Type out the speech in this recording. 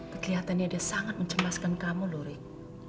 kelihatannya dia sangat mencembaskan kamu loh rik